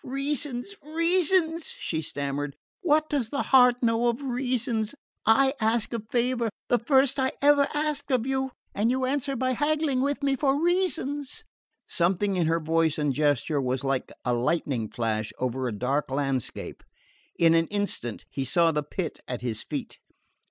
"Reasons! reasons!" she stammered. "What does the heart know of reasons? I ask a favour the first I ever asked of you and you answer it by haggling with me for reasons!" Something in her voice and gesture was like a lightning flash over a dark landscape. In an instant he saw the pit at his feet.